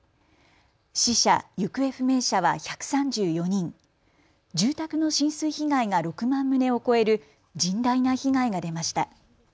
死者・行方不明者は１３４人、住宅の浸水被害が６万棟を超える甚大な被害が出ました。